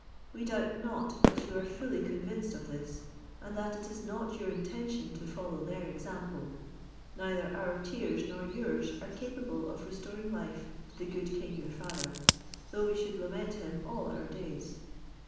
We doubt not but you are fully convinced of this, and that it is not your intention to follow their example. Neither our tears nor yours are capable of restoring life to the good king your father, though we should lament him all our days.